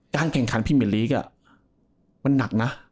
การแข่งขันพิเมอร์ลีกอ่ะมันหนักนะ